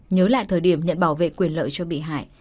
nhớ lại thời điểm nhận bảo vệ quyền lợi cho bị hại